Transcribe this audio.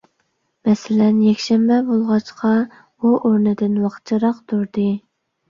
مەسىلەن، يەكشەنبە بولغاچقا، ئۇ ئورنىدىن ۋاقچىراق تۇردى.